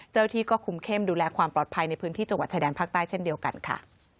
ที่ก็คุมเข้มดูแลความปลอดภัยในพื้นที่จังหวัดชายแดนภาคใต้เช่นเดียวกันค่ะ